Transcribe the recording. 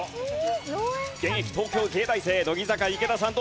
現役東京藝大生乃木坂池田さん